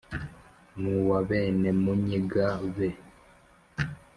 n'uw abenemúnyiga be